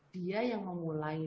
dia yang memulai